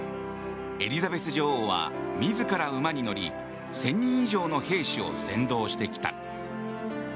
エリザベス女王は自ら馬に乗り１０００人以上の兵士を先導してきた。